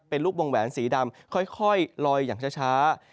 เป็นลูกวงแหวนสีดำค่อยลอยอย่างช้า